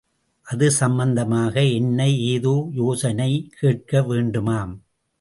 அது சம்பந்தமாக என்னை ஏதோ யோசனை கேட்க வேண்டுமாம்.